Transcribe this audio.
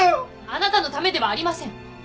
あなたのためではありません。